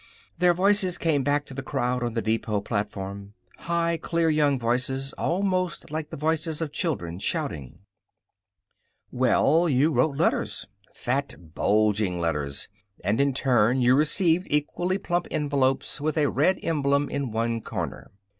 Their voices came back to the crowd on the depot platform high, clear young voices; almost like the voices of children, shouting. Well, you wrote letters fat, bulging letters and in turn you received equally plump envelopes with a red emblem in one corner.